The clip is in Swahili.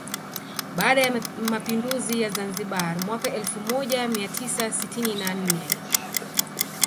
Baada ya mapinduzi ya Zanzibar mwaka elfu moja mia tisa sitini na nne